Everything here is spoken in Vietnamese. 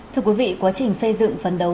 thứ trưởng ngoại giao canada